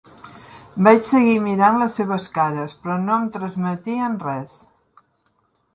Vaig seguir mirant les seves cares, però no em transmetien res.